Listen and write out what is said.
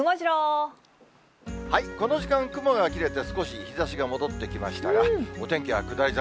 この時間、雲が切れて、少し日ざしが戻ってきましたが、お天気は下り坂。